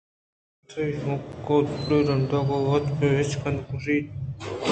تئی ہمکارسپرنٹنڈینٹءَ گوں وت پہ بچکندان گوٛشت